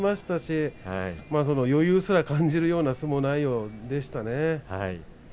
余裕すら感じる相撲内容でしたね。